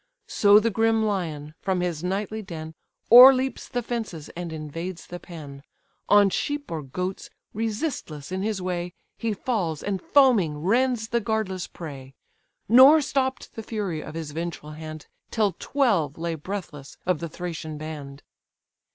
So the grim lion, from his nightly den, O'erleaps the fences, and invades the pen, On sheep or goats, resistless in his way, He falls, and foaming rends the guardless prey; Nor stopp'd the fury of his vengeful hand, Till twelve lay breathless of the Thracian band.